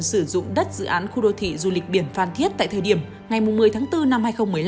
sử dụng đất dự án khu đô thị du lịch biển phan thiết tại thời điểm ngày một mươi tháng bốn năm hai nghìn một mươi năm